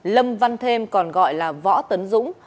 lâm văn thêm còn gọi là võ tấn dũng